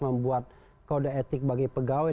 membuat kode etik bagi pegawai